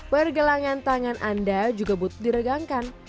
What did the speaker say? pergelangan tangan anda juga butuh diregangkan